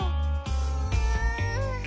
うん。